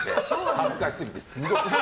恥ずかしすぎて、すごい。